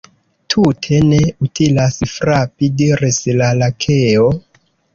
"Tute ne utilas frapi," diris la Lakeo.